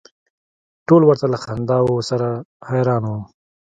ټول ورته له خنداوو سره حیران و.